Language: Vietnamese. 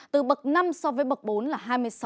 từ bậc năm so với bậc bốn là hai mươi sáu